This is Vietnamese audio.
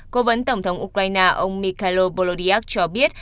cố vấn tổng thống ukraine ông mikhail bolodyak cho biết